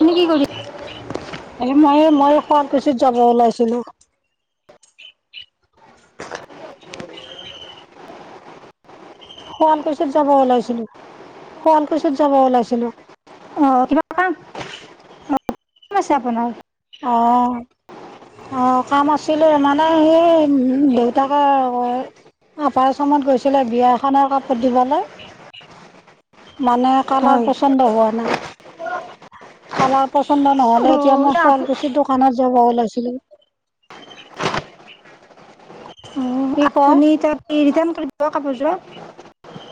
আপুনি কি কৰি এনে মইয়ে, মই শুৱালকুছিত যাব ওলাইছিলো। [unintelligible] শুৱালকুছিত যাব ওলাইছিলো, শুৱালকুছিত যাব ওলাইছিলো। অ কিবা কাম অ কোন আছে আপোনাৰ অহ। অ কাম আছিলে, মানে সেই দেউতাকে অপাৰ আসামণত গৈছিলে বিয়া এখনৰ কাপোৰ দিবলে। মানে কালাৰ হয় পচন্দ হোৱা নাই। কালাৰ পচন্দ নহলে এতিয়া অঁ মই আপু শুৱালকুছি দোকানত যাব উলাইছিলো [unintelligible] অঁ, আপুনি তাত ৰিটাৰ্ণ কৰি দিব কাপোৰযোৰ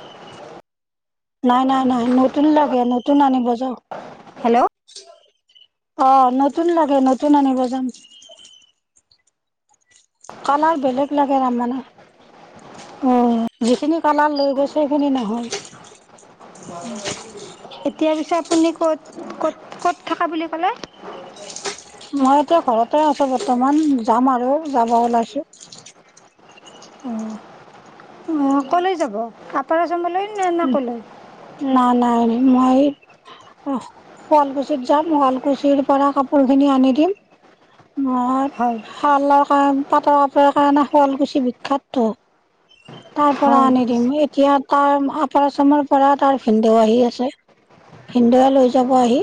নাই নাই নাই নতুন লাগে নতুন আনিব যাওঁ। হেল্ল' অ নতুন লাগে নতুন আনিব যাম। কালাৰ বেলেগ লাগে তাৰমানে। অঁ যিখিনি, কালাৰ লৈ গৈছে সেইখিনি নহয়। এতিয়া পিছে আপুনি ক'ত ক'ত ক'ত থকা বুলি ক'লে? মই এতিয়া ঘৰতে আছো বৰ্তমান, যাম আৰু যাব ওলাইছো। উম মই কলৈ যাব, আপাৰ আসামলৈ নাই নাই মই অ, শুৱালকুছিত যাম, শুৱালকুছিৰ পৰা কাপোৰ খিনি আনি দিম। মই হয় শালৰ কাৰণ পাটৰ কাপোৰ কাৰণে শুৱালকুছি বিখ্যাতটো। তাৰ পৰা হয় আনি দিম। এতিয়া তাৰ, আপাৰ আছামৰ পৰা তাৰ ভিনদেউ আহি আছে। ভিন্দয়ে লৈ যাব আহি।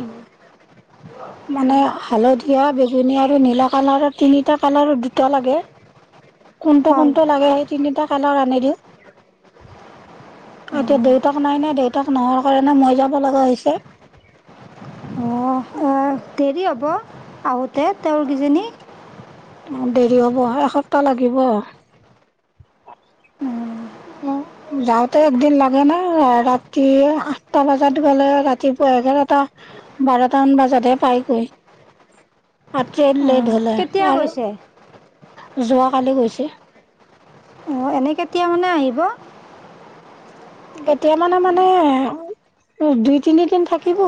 মানে হালধীয়া, বেঙুনীয়া আৰু নীলা কালাৰ তিনিটা কালাৰৰ দুটা লাগে। কোনটো হয় কোনটো লাগে সেই তিনিটা কালাৰ আনি দিওঁ। এতিয়া দেউতাক নাই ন, দেউতাক নোহোৱাৰ কাৰণে মই যাব লগা হৈছে। অঁ অ দেৰি হ'ব, আহোঁতে তেওঁৰ কেইজনী? অ দেৰি হব এসপ্তাহ লাগিব। অঁ, উম। যাওঁতে একদিন লাগে ন, ৰাতি আঠটা বজাত গলে, ৰাতিপুৱা এঘাৰটা বাৰটামান বজাতহে পাইগৈ। ট্ৰেন লেট অঁ, হ'লে কেতিয়া আৰু গৈছে? যোৱাকালি গৈছে। অঁ, এনে কেতিয়া মানে আহিব? এতিয়া মানে মানে দুই তিনিদিন থাকিব।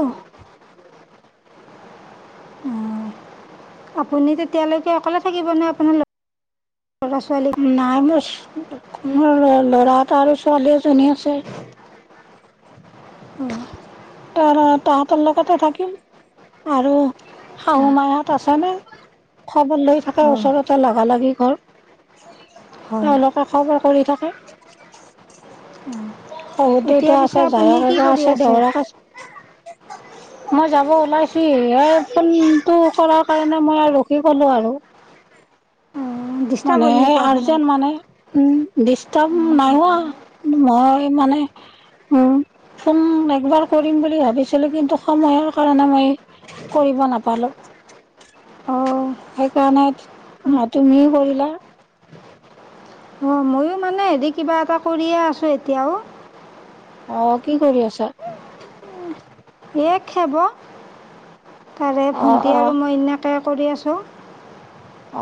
[unintelligible] অঁ, আপুনি তেতিয়ালৈকে অকলে থাকিবনে, আপোনাৰ? ল'ৰা ছোৱালী নাই মোৰ মোৰ ল'ৰা এটা আৰু ছোৱালী এজনী আছে। অঁ, ত তাহঁতৰ লগতে থাকিম। আৰু শাহু অঁ মাহত আছে নে খবৰ লৈ থাকে অঁ ওচৰতে লাগা লাগি ঘৰ হয় তেওঁলোকে খবৰ কৰি থাকে হহু এতিয়া দেউতা পিছে আছে আপুনি কি জায়জ কৰি আছে দেউতাক আছে মই যাব ওলাইছি সেই ফোনটো কৰাৰ কাৰণে মই আৰু ৰখি গলো আৰু ডিষ্টাৰ্ব মানে হ'ল নেকি আৰ্জে আপোনাৰ মানে উম ডষ্টাৰ নাইহোৱা মই মানে উম ফোন একবাৰ কৰিম বুলি ভাবিছিলো কিন্তু সময়ৰ কাৰণে মই কৰিব কৰিব নাপালো অঁ সেইকাৰণে তুমি কৰিলা অঁ ময়ো মানে হেৰি কিবা এটা কৰিয়ে আছোঁ এতিয়াও অঃ কি কৰি আছা এই খোব তাৰে অ ভণ্টি অ আৰু মই এনেকৈ কৰি আছোঁ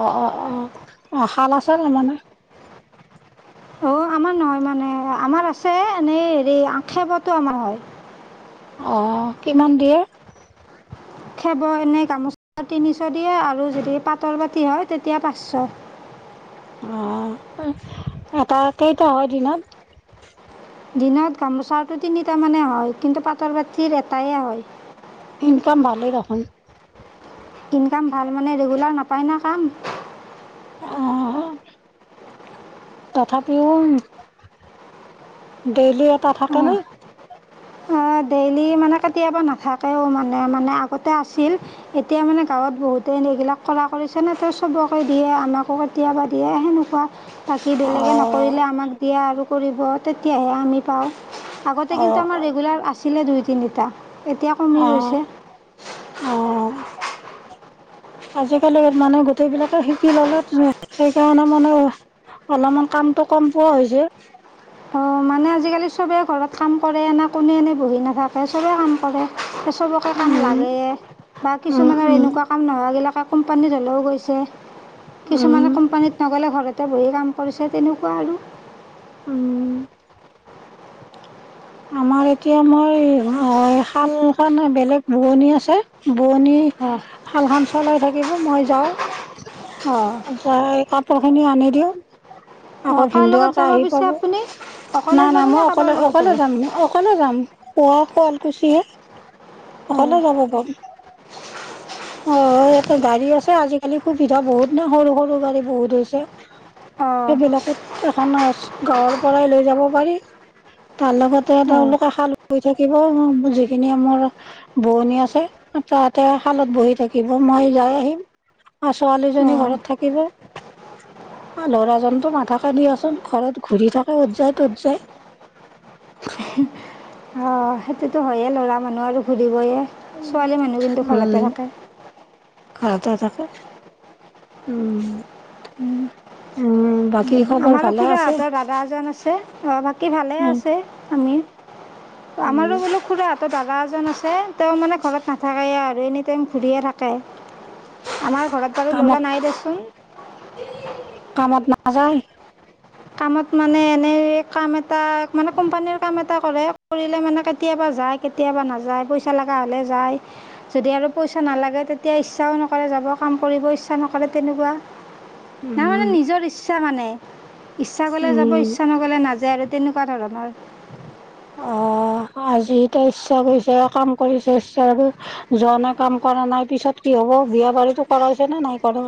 অ অ অ অ শাল আছে ন মানে অঁ আমাৰ নহয় মানে আমাৰ আছে এনেই হেৰি আখেপতো আমাৰ হয় অ কিমান দিয়ে খেব এনেই গামোচা তিনিশ দিয়ে আৰু যদি পাতল বাতি হয় তেতিয়া পাঁচশ আহ এটা কেইটা হয় দিনত দিনত গামোচাটো তিনিটামানে হয় কিন্তু পাটৰ বাতিৰ এটাইে হয় ইনকাম ভালেই দেখোন ইনকাম ভাল মানে ৰেগুলাৰ নাপায় ন কাম আহ তথাপিও ডেইলি এটা থাকে ন অঁ ডেইলি মানে কেতিয়াবা নাথাকেও মানে মানে আগতে আছিল এতিয়া মানে গাঁৱত বহুত ততেনে এইবিলাক কৰা কৰিছেনে ত চবকে দিয়ে আমাকো কেতিয়াবা দিয়ে সেনেকুৱা বাকী অ বেলেগে নকৰিলে আমাক দিয়া আৰু কৰিব তেতিয়াহে আমি পাওঁ আগতে অ কিন্তু আমাৰ ৰেগুলাৰ আছিলে দুই তিনিটা এতিয়া কমি অ গৈছে [inaudible] আজিকালি মানে গোটেইবিলাকে শিকি ললে সেইকাৰণে মানে অলপমান কামতটো কম পোৱা হৈছে মানে আজিকালি চবেই ঘৰত কাম কৰে এনে কোনে এনে বহি নাথাকে চবেই কাম কৰে চবকে উম কাম লাগে বা উম কিছুমানৰ উম এনেকুৱা কাম নোহাগিলাক থকা কোম্পানীত হ'লেও গৈছে কিছুমানে উম কোম্পানীত নগ'লে ঘৰত ত বহি কাম কৰিছে তেনেকুৱা আৰু উম আমাৰ এতিয়া মই শাল খ বেলেগ ভগণি আছে বোৱনি অঁ শাল সান চলাই থাকিব মই যাওঁ অঁ য খিনি আনি দিওঁ অঁ আকৌ কাৰ লগত ভিনন্দাকে যাব আহি পিছে পাব আপুনি অকলে নাই যাব না নে মই কাৰোবাৰ অকলে লগত যাব অকলে যাম অকলে যাম পুৱা শুৱালকুছিয়ে অঁ অকলে যব ব অ ইয়াতে গাড়ী আছে আজিকালি সুবিধা বহুত নে সৰু সৰু গাড়ী বহুত হৈছে অঁ সেইবিলাকত এখন গাঁৱৰ পৰাই লৈ যাব পাৰি তাৰ লগতে অঁ তেওঁলোকে খাল ব থাকিব যিখিনি আমাৰ ভনী আছে তাতে শালত বহি থাকিব মই যাই আহিম আৰু ছোৱালীজনী অঁ ঘৰত থাকিব ল'ৰাজনতো নাথাকে দিয়াচোন ঘৰত ঘূৰি থাকে ত যাই তত যাই অ সেইটোতো হয়য়ে ল'ৰা মানুহ আৰু ঘুৰিবয়ে ছোৱালী মানুহ কিন্তু ঘৰতে উম থাকে। ঘৰতে থাকে উম উম বাক আমাৰো খুৰাহঁতৰ দাদা এজন আছে। বাকী ভালে উম, আছে আমি। উম, আমাৰো বোলো খুৰা হতৰ দাদা এজন আছে। তেওঁ মানে ঘৰত নাথাকায়ে আৰু এনি টাইম ঘূৰিয়ে থাকে। আমাৰ ঘৰত বাৰু ল'ৰা কামত নাই দেচোন। কামত নাযায়? কামত মানে এনেই কাম এটা মানে কোম্পানীৰ কাম এটা কৰে। কৰিলে মানে কেতিয়াবা কেতিয়াবা যায় কেতিয়াব নাযায় পইচা লগা হলে যাই। যদি আৰু পইচা নালাগে তেতিয়া ইচ্ছাও নকৰে য যাব কাম কৰিব ইচ্ছা নকৰে তেনেকুৱা। তাৰমানে উম, নিজৰ ইচ্ছা মানে। ইচ্ছা কৰিলে যাব উম। ইচ্ছা নগ'লে নাযায় আৰু তেনেকুৱা ধৰণৰ। অঁ। অ আজি এতিয়া ইচ্ছা কৰিছে, কাম কৰিছে, ইচ্ছা যোৱানে কাম কৰা নাই, নপিছত কি হ' অ বিয়া বাৰীটো কৰা হৈছে নে নাই কৰা?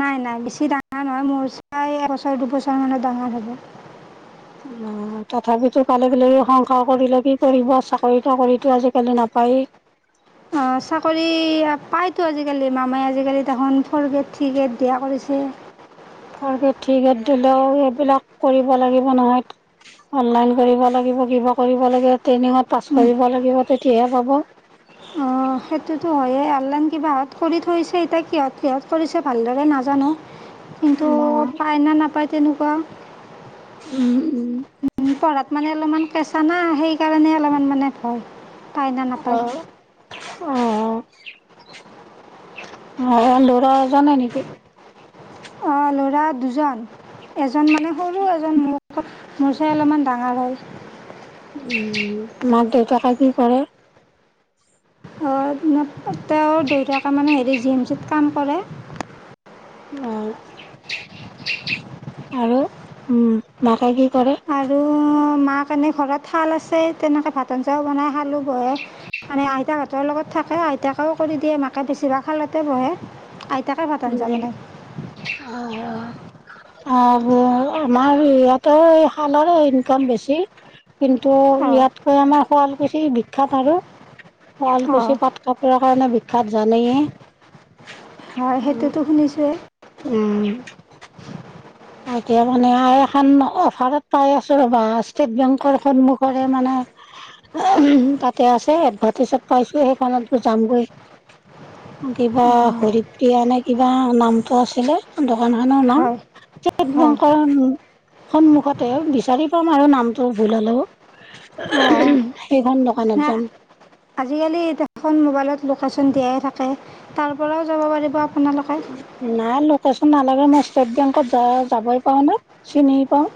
নাই বেছি নাই নহয় মোৰ চাই এবছৰ দুবছৰমানৰ ডাঙৰ হ'ব। অ তথাপিতো কালে বিলাক সংসাৰ কৰিলে কি কৰিব? চাকৰি তাকৰিতো আজিকালি নাপায়েই। [inaudible] অ চাকৰি পায়তো আজিকালি মামাই আজিকালি দেখোন ফ'ৰ গ্ৰেড থ্ৰী গ্ৰেড দিয়া কৰিছে। চে। ফৰ গ্ৰেড, থ্ৰী গ্ৰেড দিলেও এইবিলাক কৰিব লাগিব নহয় অনলাইন কৰিব লাগিব। কৰিব লাগে, ট্ৰেইনিঙত পাছ কৰিব লাগিব, তেতিয়াহে পাব। অ। অ সেইটোতো হয়েই অনলাইন কিবাহঁত কৰি থৈছে এতিয়া কিহত কিহঁত কৰিছে ভালদৰে নাজানো। কিন্তু উম, পায় ন নাপায় তেনেকুৱা? উম উম। পঢ়াত মানে অলপমান কেঁচা না, সেইকাৰণে অলপমান মানে ভয়। পায় না নাপায়? অ অ অন্ধৰা জানাই নেকি? অ ল'ৰা দুজন, এজন মানে সৰু এজন মোক মোৰ চাই অলপমান ডাঙৰ হয়। উম, মাক -দেউতাকে কি কৰে? অ, তেওঁৰ দেউতাকে মানে হেৰি জি এম চিত কাম কৰে। অ আৰু উম মাকে কি কৰে আৰু মা কাৰণে ঘৰত থাল আছে, তেনেকৈ ভাত আঞ্জাও বনাই খালো বহে মানে আইতাহঁতৰ লগত থা এই আইতাকেও কৰি দিয়ে মাকে বেছিভাগ শালতে বহে। আই উম অ। আৰু আমাৰ ইয়াতে এই শালৰে ইনকাম বেছি। কিন্তু অঁ ইয়াতকৈ আমাৰ শুৱালকুছি বিখ্যাত আৰু। অঁ শুৱালকুছি পাট কা কাৰণে বিখ্যাত জানেই। টো শুনিছোঁ। উম। এতিয়া মানে আৰু এখন অফাৰত পাই আছো ৰবা, ষ্টেট বেংকৰ সন্মুখৰে মানে তাতে আছে এডভাৰটাইজত পাইছো, সেইখনত গ যামগৈ। কিবা অঁ হৰিয়া নে কিবা নামটো আছিলে? [unintelligible] হয় হয় সন্মুখতে বিচাৰি পাম আৰু নামটো ভুল হলেও। অঁ সেইখন দোকানত নাই যাম। আজিকালি দেখোন মোবাইলত লোকেশ্যন দিয়াই থাকে। তাৰ পৰাও যাব পাৰিব আপোনালোকে নাই লোকেছ নালাগে মই ষ্টেট বেংকত যা যাবই পৰা নাই, চিনি পাওঁ।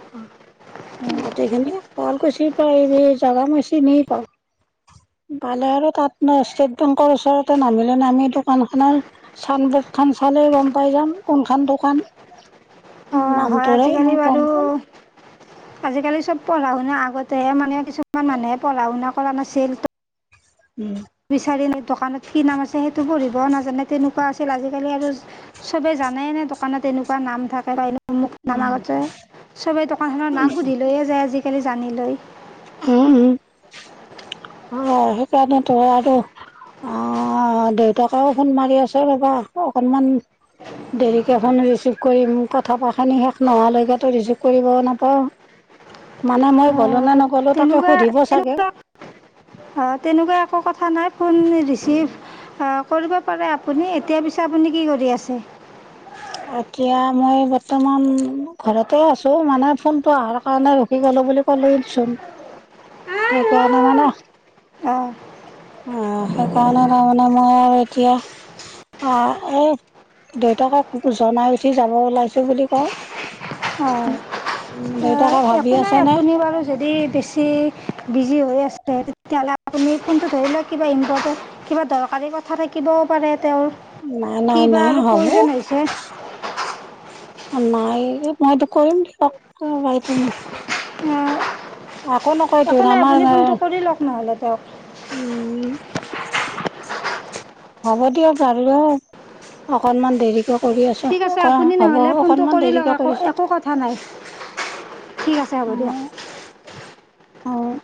গোটেইখিনি শুৱালকুছিৰপৰা এই জাগা মই চিনিয়েই পাওঁ। ভালে আৰু তাত ন ষ্টেট বেংকৰ ওচৰতে নামিলোঁ নামি দোকান খনৰ চান ব খন চালে গম পাই যাম কোনখন দোকান হয় নামটোৰে আজিকালি মই গম বাৰু পাম আজিকালি চব পঢ়া শুনা আগতেহে মানে কিছুমান মানুহে পঢ়া শুনা কৰা নাছিল। উম বিচাৰি ন দোকানত কি নাম আছে সেইটো পঢ়িব নাজানে তেনেকোৱা আছিল আজিকালি আৰু চবে জানে নে দোকানত তেনেকোৱা নাম থাকে পাৰিলে ম নামগতে চবে দোকানখনৰ নাম সুধি লৈয়ে যায় আজিকালি জানি লৈ। উম উম অ সেইকাৰণেতো আৰু অ দেউতাকেও ফোন মাৰি আছে ৰবা অকনমান। দেৰিকে ফোন ৰিচিভ কৰিম কথা পখিনি শেষ নোহোৱা লৈকেটো ৰিচিভ কৰিবও নাপাওঁ। মানে মই গলোনা নগলো তাকে সুধিব চাগে। অ তেনেকোৱা একো কথা নাই ফোন ৰিচিভ। কৰিব পাৰে আপুনি এতিয়া পিছে আপুনি কি কৰি আছে। এতিয়া মই বৰ্তমান ঘৰতে আছো মানে ফোনটো অহাৰ কাৰণে ৰখি গ'ল। বুলি ক'লচোন সেইকাৰণে মানে। [unintelligible] অ সেইকাৰণে তাৰমানে মই আৰু এতিয়া অহ এই। দেউতাকে জনাই উঠি যাব ওলাইছো বুলি কওঁ। অঁ দেউতাকে ভাবি একো আছো। নাই আপুনি বাৰু যদি। বেছি বিজি হৈ আছে তেতিয়াহ'লে আপুনি ফোনটো ধৰি লওক কিবা ইম্পৰ্টেণ্ট কিবা দৰকাৰ। বাৰীৰ কথা থাকিবও পাৰে। তেওঁৰ ন নাই কিবা নাই আৰু হব। প্ৰয়োজন হৈছে নাই মইতো কৰিম দিয় বাইন। আকৌ নকৌ একো তোৰ নাই আমাৰ। আপুনি ফোনটো কৰি লওক নহ'লে তেওঁক উম। হ'ব দিয়ক বাৰু অ অকনমান দেৰিকে। কৰি আছো ঠিক আছে অ আপুনি হ'ব নহ'লে ফোনটো অকনমান কৰি লওক দেৰিকে একো কৰিছো একো কথা নাই। ঠিক আছে হ'ব দিয়া। অ অ